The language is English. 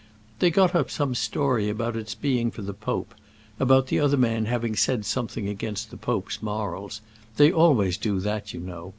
"They got up some story about its being for the Pope; about the other man having said something against the Pope's morals. They always do that, you know.